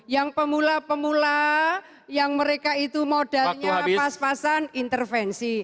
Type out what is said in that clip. yang pemula pemula yang mereka itu modalnya pas pasan intervensi